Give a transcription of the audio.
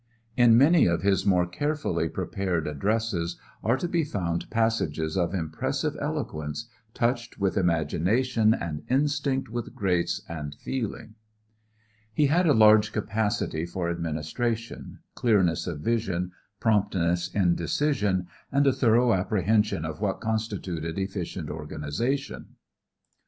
In many of his more carefully prepared addresses are to be found passages of impressive eloquence, touched with imagination and instinct with grace and feeling. He had a large capacity for administration, clearness of vision, promptness in decision, and a thorough apprehension of what constituted efficient organization.